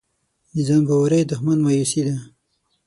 د ځان باورۍ دښمن مایوسي ده.